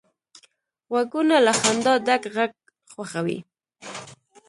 غوږونه له خندا ډک غږ خوښوي